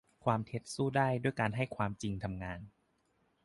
ความเท็จสู้ได้ด้วยการให้ความจริงทำงาน